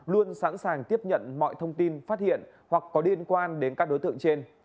luôn sẵn sàng tiếp nhận mọi thông tin phát hiện hoặc có liên quan đến các đối tượng trên